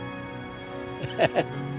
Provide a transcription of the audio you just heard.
ハハハ。